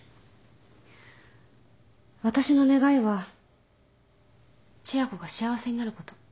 私の願いは千夜子が幸せになること